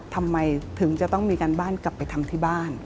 ทำไมถึงจะต้องมีการบ้านกลับไปทำที่บ้าน